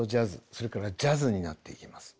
それからジャズになっていきます。